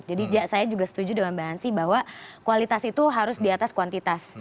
jadi saya juga setuju dengan mbak ansyi bahwa kualitas itu harus diatas kuantitas